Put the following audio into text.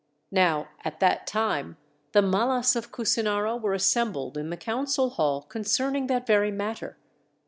Now at that time the Mallas of Kusinara were assembled in the council hall concerning that very matter.